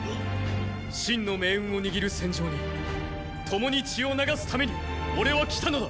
秦の命運を握る戦場に共に血を流すために俺は来たのだ！